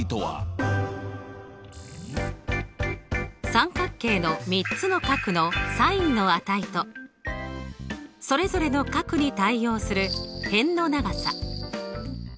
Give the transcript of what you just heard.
三角形の３つの角のｓｉｎの値とそれぞれの角に対応する辺の長さ。